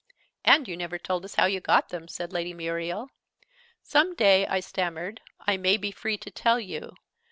"And you never told us how you got them!" said Lady Muriel. "Some day," I stammered, "I may be free to tell you.